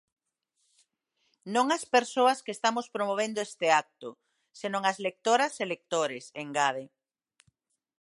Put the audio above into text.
"Non as persoas que estamos promovendo este acto, senón as lectoras e lectores", engade.